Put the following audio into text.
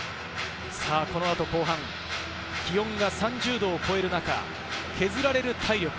このあと後半、気温が３０度を超える中、削られる体力。